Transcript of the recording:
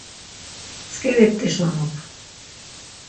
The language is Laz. Mtzǩiri p̌tişonup.